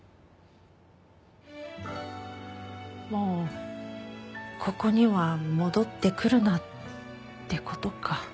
「もうここには戻ってくるな」って事か。